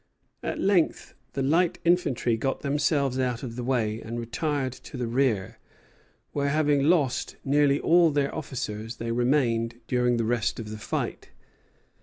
At length the light infantry got themselves out of the way and retired to the rear, where, having lost nearly all their officers, they remained during the rest of the fight.